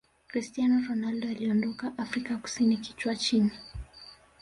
cristiano ronaldo aliondoka afrika kusini kichwa chini